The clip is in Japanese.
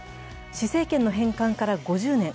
施政権の返還から５０年。